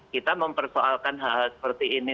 kita mempersoalkan hal hal seperti ini